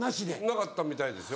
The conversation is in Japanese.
なかったみたいですよ。